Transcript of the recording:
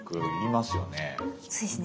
そうですね。